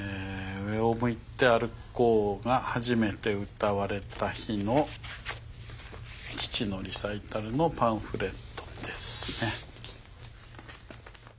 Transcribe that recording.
「上を向いて歩こう」が初めて歌われた日の父のリサイタルのパンフレットですね。